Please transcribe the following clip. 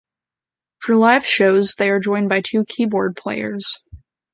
For live shows they are joined by two keyboard players.